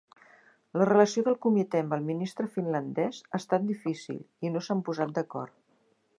La relació del Comité amb el ministre finlandés ha estat difícil i no s'han posat d'acord.